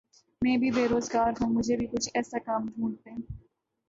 میں بھی بے روزگار ہوں مجھے بھی کچھ ایسا کام ڈھونڈ دیں